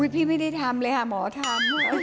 อุ้ยพี่ไม่ได้ทำหลายหาหมอทำ